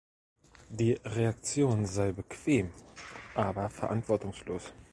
Die Reaktion sei bequem, aber verantwortungslos.